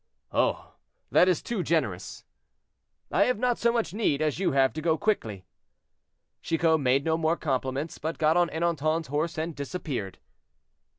"Oh! that is too generous." "I have not so much need as you have to go quickly." Chicot made no more compliments, but got on Ernanton's horse and disappeared.